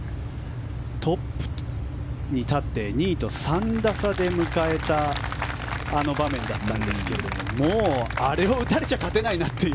トップに立って２位と３打差で迎えたあの場面だったんですがもうあれを打たれちゃ勝てないなという。